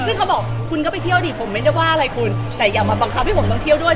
ซึ่งเขาบอกคุณก็ไปเที่ยวดิผมไม่ได้ว่าอะไรคุณแต่อย่ามาบังคับให้ผมต้องเที่ยวด้วย